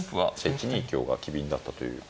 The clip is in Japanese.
１二香が機敏だったという。